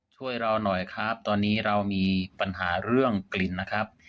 ช่วยเราหน่อยครับตอนนี้เรามีปัญหาเรื่องกลิ่นนะครับ